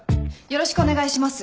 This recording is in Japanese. よろしくお願いします。